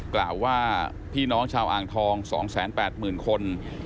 กล่าวว่าพี่น้องชาวอ่างทอง๒๘๐๐๐คน